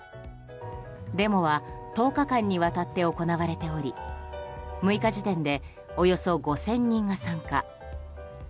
デモは１０日間にわたって行われており６日時点でおよそ５０００人が参加。